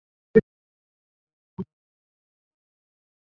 হয়তো আমাদের আয়া লাগবেও না!